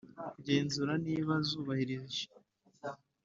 kugenzura niba zubahirije